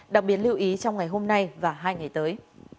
đặc biệt lưu ý trong ngày hôm nay và hai ngày tới